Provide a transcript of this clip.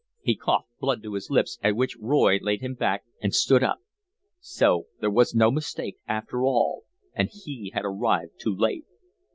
He coughed blood to his lips, at which Roy laid him back and stood up. So there was no mistake, after all, and he had arrived too late.